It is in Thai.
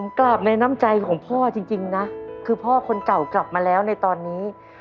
กราบในน้ำใจของพ่อจริงนะคือพ่อคนเก่ากลับมาแล้วในตอนนี้